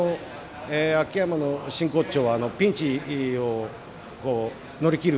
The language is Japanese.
秋山の真骨頂はピンチを乗り切る